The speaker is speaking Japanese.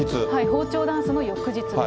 包丁ダンスの翌日です。